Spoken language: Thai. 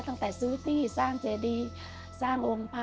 ซื้อที่สร้างเจดีสร้างองค์พระ